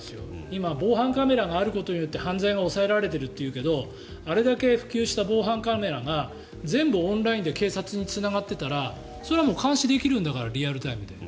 今、防犯カメラがあることによって犯罪が抑えられているというけどあれだけ普及した防犯カメラが全部オンラインで警察につながっていたらそれはもう監視できるんだからリアルタイムで。